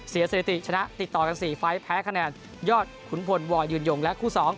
สถิติชนะติดต่อกัน๔ไฟล์แพ้คะแนนยอดขุนพลวอยืนยงและคู่๒